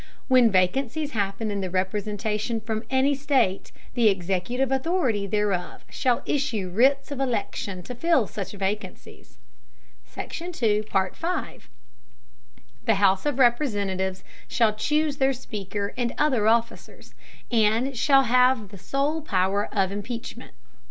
When vacancies happen in the Representation from any State, the Executive Authority thereof shall issue Writs of Election to fill such Vacancies. The House of Representatives shall chuse their Speaker and other Officers; and shall have the sole Power of Impeachment.